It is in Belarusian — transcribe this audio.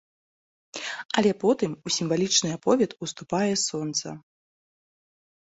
Але потым у сімвалічны аповед уступае сонца.